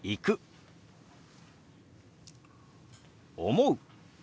「思う」。